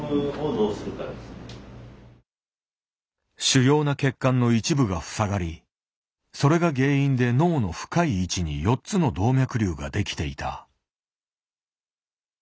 主要な血管の一部が塞がりそれが原因で脳の深い位置に４つの動脈瘤ができていた。